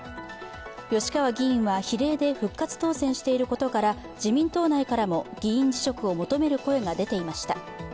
吉川議員は、比例で復活当選していることから自民党内からも議員辞職を求める声が出ていました。